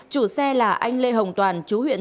chủ xe là anh lê hồng toàn chú huyện